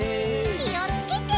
きをつけて。